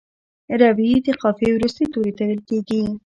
روي د قافیې وروستي توري ته ویل کیږي.